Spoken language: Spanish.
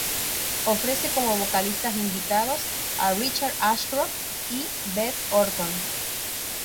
Ofrece como vocalistas invitados a Richard Ashcroft y Beth Orton.